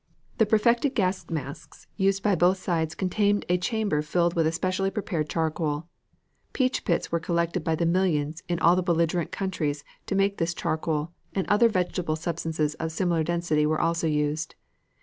The perfected gas masks used by both sides contained a chamber filled with a specially prepared charcoal. Peach pits were collected by the millions in all the belligerent countries to make this charcoal, and other vegetable substances of similar density were also used.